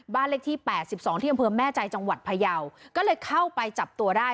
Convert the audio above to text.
บ้านเลขที่แปดสิบสองที่อำเภอแม่ใจจังหวัดพยาวก็เลยเข้าไปจับตัวได้